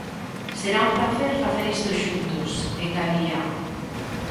Será un pracer facer isto xuntos, engadía.